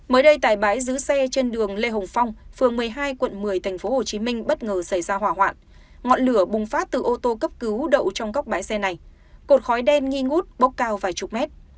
mới đây tại bãi giữ xe trên đường lê hồng phong phường một mươi hai quận một mươi tp hcm bất ngờ xảy ra hỏa hoạn ngọn lửa bùng phát từ ô tô cấp cứu đậu trong góc bãi xe này cột khói đen nghi ngút bốc cao vài chục mét